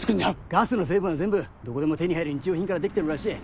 ガスの成分は全部どこでも手に入る日用品から出来てるらしい。